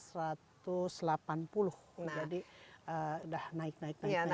jadi sudah naik naik